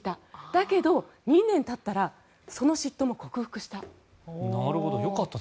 だけど２年たったらその嫉妬も克服した。